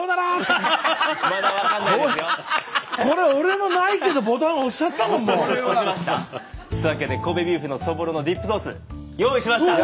これ俺のないけどボタン押しちゃったもんもう！というわけで神戸ビーフのそぼろのディップソース用意しました！